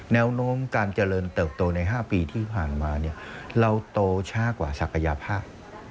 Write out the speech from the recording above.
แนวโน้มการเจริญเติบโตใน๕ปีที่ผ่านมาเราโตช้ากว่าศักยภาพ